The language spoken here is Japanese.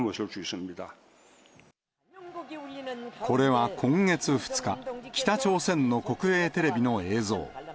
これは今月２日、北朝鮮の国営テレビの映像。